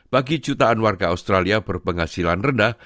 bagi jutaan warga australia berpenghasilan rendah